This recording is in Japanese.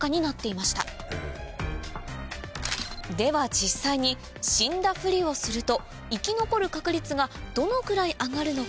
実際に死んだふりをすると生き残る確率がどのくらい上がるのか